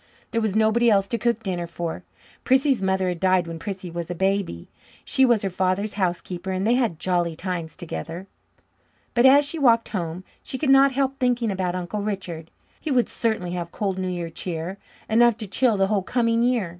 There was nobody else to cook dinner for. Prissy's mother had died when Prissy was a baby. She was her father's housekeeper, and they had jolly times together. But as she walked home, she could not help thinking about Uncle Richard. He would certainly have cold New Year cheer, enough to chill the whole coming year.